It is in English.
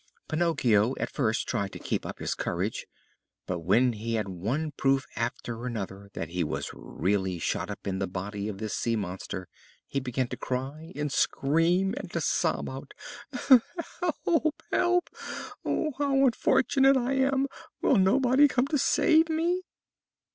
Pinocchio at first tried to keep up his courage, but when he had one proof after another that he was really shut up in the body of this sea monster he began to cry and scream, and to sob out: "Help! help! Oh, how unfortunate I am! Will nobody come to save me?"